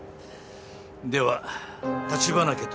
では立花家と。